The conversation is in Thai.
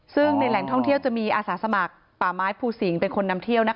ซึ่งในแหล่งท่องเที่ยวจะมีอาสาสมัครป่าไม้ภูสิงศ์เป็นคนนำเที่ยว